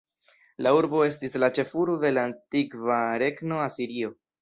La urbo estis la ĉefurbo de la antikva regno Asirio.